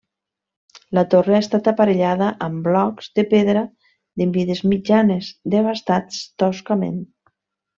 La torre ha estat aparellada amb blocs de pedra de mides mitjanes desbastats toscament.